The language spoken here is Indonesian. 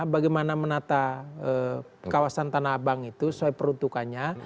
bagaimana menata kawasan tanah abang itu sesuai peruntukannya